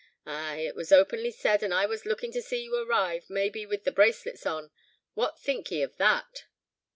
Ay! it was openly said, and I was lookin' to see you arrive, maybe with the bracelets on. What think ye of that?"